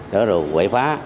đó rồi quậy phá